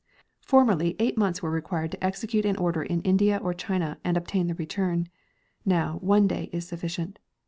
Formerly eight months were required to execute an order in India or China and obtain the return; now one day is sufficient.